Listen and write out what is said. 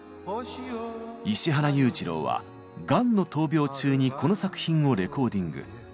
石原裕次郎はがんの闘病中にこの作品をレコーディング。